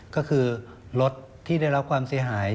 ก็คือรถที่ได้รับความเสียหาย